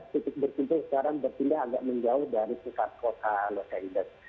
dan sebetulnya sekarang bertindak agak menjauh dari sekat kota los angeles